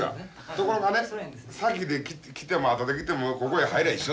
ところがね先で来ても後で来てもここへ入りゃ一緒でしょ。